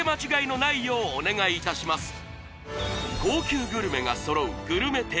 高級グルメが揃うグルメ